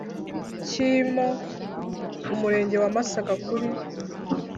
Cyimo umurenge wa masaka kuri